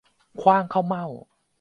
ขว้างข้าวเม่า